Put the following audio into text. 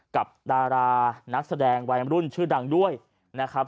กับดารานักแสดงวัยมรุ่นชื่อดังด้วยนะครับ